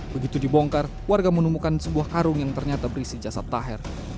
begitu dibongkar warga menemukan sebuah karung yang ternyata berisi jasad taher